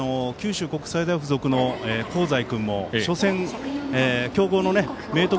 対戦相手の九州国際大付属の香西君も初戦、強豪の明徳